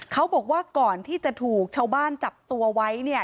เขาบอกว่าก่อนที่จะถูกชาวบ้านจับตัวไว้เนี่ย